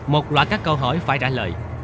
một loại các câu hỏi phải trả lời